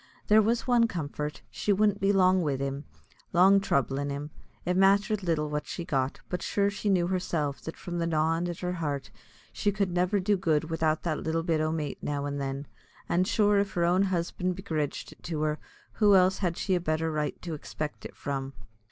There was one comfort: she wouldn't be long wid him long troublin' him; it matthered little what she got; but sure she knew herself, that from the gnawin' at her heart, she could never do good widout the little bit o' mait now and then; an', sure, if her own husband begridged it to her, who else had she a better right to expect it from?